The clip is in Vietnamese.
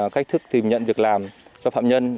cách thức tìm nhận việc làm cho phạm nhân